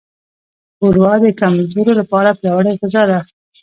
ښوروا د کمزورو لپاره پیاوړې غذا ده.